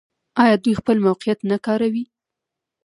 آیا دوی خپل موقعیت نه کاروي؟